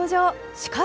しかし